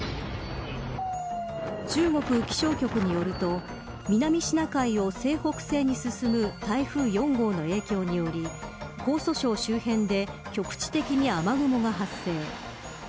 中国気象局によると南シナ海を西北西に進む台風４号の影響により江蘇省周辺で局地的に雨雲が発生。